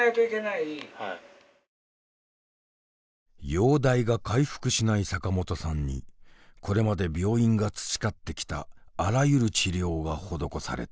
容体が回復しない坂本さんにこれまで病院が培ってきたあらゆる治療が施された。